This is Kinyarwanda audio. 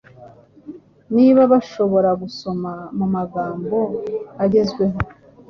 niba bashobora gusoma mumagambo agezweho